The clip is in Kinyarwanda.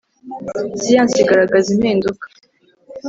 siyansi igaragaza impinduka